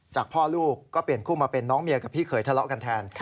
จากพ่อลูกก็เปลี่ยนคู่มาเป็นน้องเมียกับพี่เขยทะเลาะกันแทน